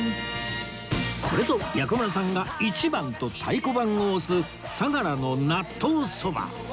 これぞ薬丸さんが一番と太鼓判を押す沙伽羅の納豆そば